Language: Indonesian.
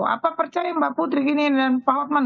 apa percaya mbak putri gini dan pak hotman